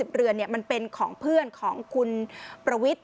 ๒๐เหรือนเนี่ยมันเป็นของเพื่อนของคุณประวิทย์